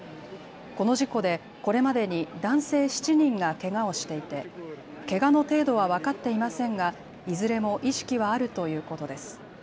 この事故でこれまでに男性７人がけがをしていて、けがの程度は分かっていませんがいずれも意識はあるということです。